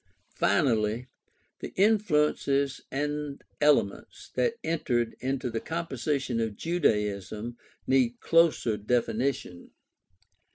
Finally, the influences and elements that entered into the composition of Judaism need closer definition.